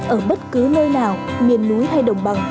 ở bất cứ nơi nào miền núi hay đồng bằng